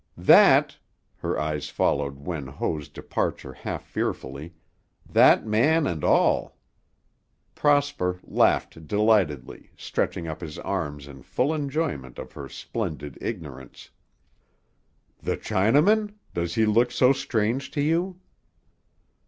That" her eyes followed Wen Ho's departure half fearfully "that man and all." Prosper laughed delightedly, stretching up his arms in full enjoyment of her splendid ignorance. "The Chinaman? Does he look so strange to you?"